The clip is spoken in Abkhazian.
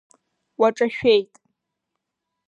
Уаҿашәеит!